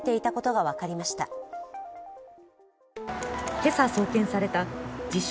今朝送検された自称